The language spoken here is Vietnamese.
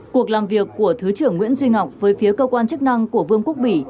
cuộc làm việc của thứ trưởng nguyễn duy ngọc với phía cơ quan chức năng của vương quốc bỉ